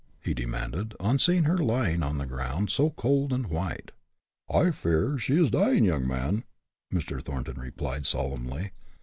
he demanded, on seeing her lying on the ground, so cold and white. "I fear she is dying, young man," Mr. Thornton replied, solemnly.